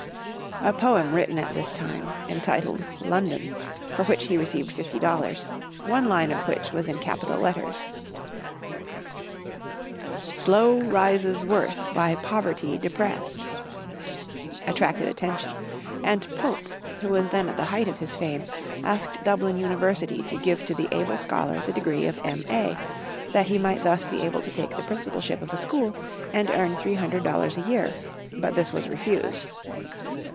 A poem written at this time, entitled "London," for which he received fifty dollars, one line of which was in capital letters, "SLOW RISES WORTH BY POVERTY DEPRESSED," attracted attention; and Pope, who was then at the height of his fame, asked Dublin University to give to the able scholar the degree of M.A., that he might thus be able to take the principalship of a school, and earn three hundred dollars a year; but this was refused.